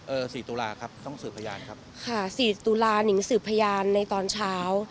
สี่ตุลาครับต้องสืบพยานครับค่ะสี่ตุลานิงสืบพยานในตอนเช้า